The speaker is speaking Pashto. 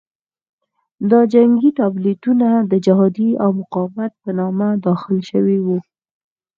دا جنګي تابلیتونه د جهاد او مقاومت په نامه داخل شوي وو.